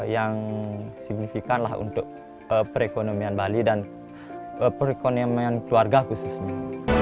yang signifikan lah untuk perekonomian bali dan perekonomian keluarga khususnya